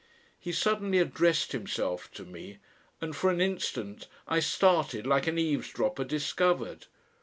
He suddenly addressed himself to me, and for an instant I started like an eavesdropper discovered.